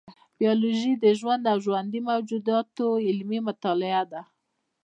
بیولوژي د ژوند او ژوندي موجوداتو علمي مطالعه ده